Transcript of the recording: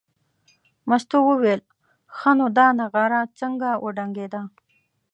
مستو وویل ښه نو دا نغاره څنګه وډنګېده.